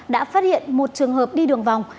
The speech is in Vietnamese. đã phát hiện một trường hợp đi đường vòng